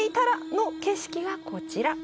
の景色がこちら。